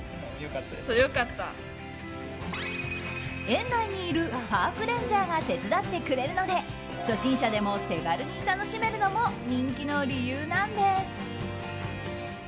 園内にいるパークレンジャーが手伝ってくれるので初心者でも手軽に楽しめるのも人気の理由なんです。